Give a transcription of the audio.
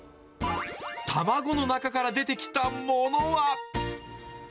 卵の中から出てきたものは？